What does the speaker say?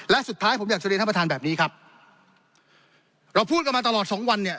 และสุดท้ายผมอยากจะเรียนท่านประธานแบบนี้ครับเราพูดกันมาตลอดสองวันเนี่ย